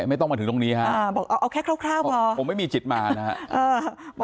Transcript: ไม่ต้องมาถึงตรงนี้ฮะบอกเอาแค่คร่าวพอผมไม่มีจิตมานะครับ